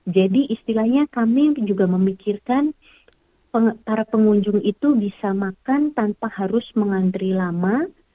jadi istilahnya kami juga memikirkan para pengunjung itu bisa makan tanpa harus mengantri lama